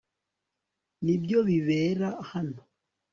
nibyo bibera hano